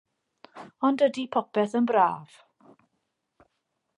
O'nd ydi popeth yn braf?